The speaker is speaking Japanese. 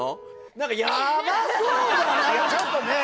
何かちょっとね